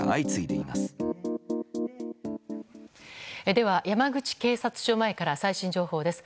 では、山口警察署前から最新情報です。